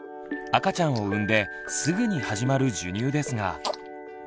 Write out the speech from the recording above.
赤ちゃんを産んですぐに始まる授乳ですが。